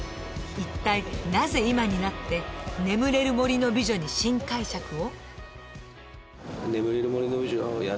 一体なぜ今になって「眠れる森の美女」に新解釈を？